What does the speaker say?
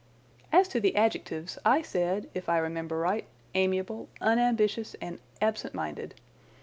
As to the adjectives, I said, if I remember right, amiable, unambitious, and absent minded.